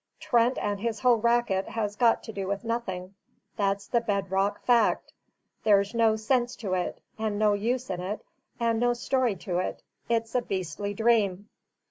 Trent and his whole racket has got to do with nothing that's the bed rock fact; there's no sense to it, and no use in it, and no story to it: it's a beastly dream.